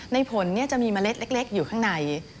ในผลจะมีเมล็ดเล็กอยู่ข้างใน